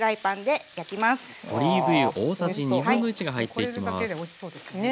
これだけでおいしそうですね。